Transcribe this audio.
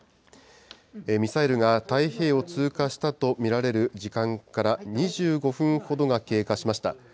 ミサイルが太平洋を通過したとみられる時間から２５分ほどが経過しました。